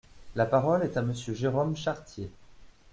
La parole est à Monsieur Jérôme Chartier.